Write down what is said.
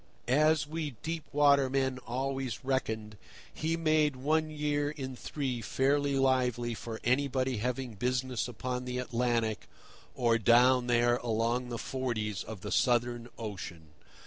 As we deep water men always reckoned, he made one year in three fairly lively for anybody having business upon the Atlantic or down there along the "forties" of the Southern Ocean.